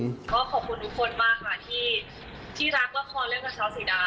ก็ขอบคุณทุกคนมากค่ะที่รักละครเล่นกับชาวสีดา